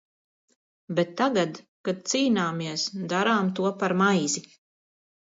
Bet tagad, kad cīnāmies, darām to par maizi!